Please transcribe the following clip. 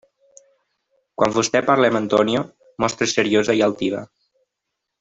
Quan vostè parle amb Antonio, mostre's seriosa i altiva.